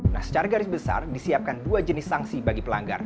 nah secara garis besar disiapkan dua jenis sanksi bagi pelanggar